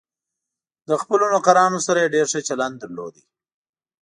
له خپلو نوکرانو سره یې ډېر ښه چلند درلود.